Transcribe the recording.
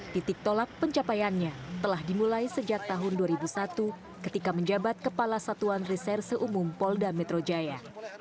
titik tolak pencapaiannya telah dimulai sejak tahun dua ribu satu ketika menjabat kepala satuan riserse umum polda metro jaya